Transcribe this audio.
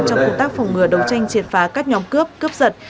trong công tác phòng ngừa đấu tranh triệt phá các nhóm cướp cướp giật